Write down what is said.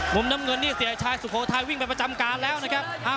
มุมน้ำเงินนี่เสียชายสุโขทัยวิ่งไปประจำการแล้วนะครับ